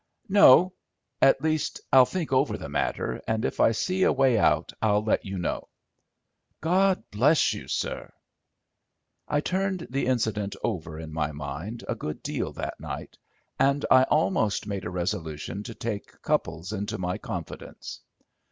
"No. At least, I'll think over the matter, and if I see a way out I'll let you know." "God bless you, sir." I turned the incident over in my mind a good deal that night, and I almost made a resolution to take Cupples into my confidence.